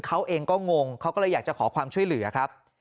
เขาเองก็งงเขาก็เลยอยากจะขอความช่วยเหลือครับ